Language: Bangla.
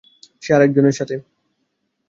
সে আরেক জনের সাথে।